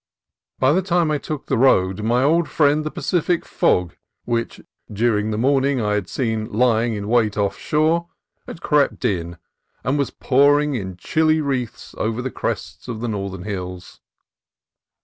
By the time I took the road, my old friend the Pacific fog, which during the morning I had seen ly ing in wait offshore, had crept in and was pouring in chilly wreaths over the crests of the northern hills.